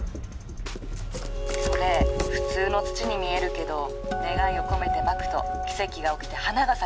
それ普通の土に見えるけど願いを込めてまくと奇跡が起きて花が咲くの。